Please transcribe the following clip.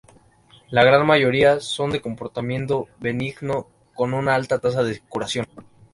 La gran mayoría son de comportamiento benigno, con una alta tasa de curación.